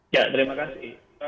ya terima kasih